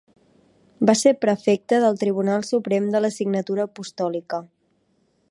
Va ser prefecte del Tribunal Suprem de la Signatura Apostòlica.